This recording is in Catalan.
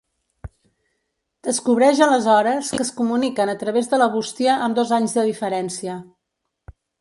Descobreix aleshores que es comuniquen a través de la bústia amb dos anys de diferència.